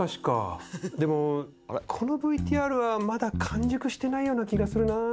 でもこのＶＴＲはまだ完熟してないような気がするなぁ。